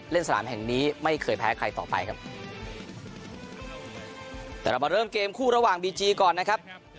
สนามแห่งนี้ไม่เคยแพ้ใครต่อไปครับแต่เรามาเริ่มเกมคู่ระหว่างบีจีก่อนนะครับ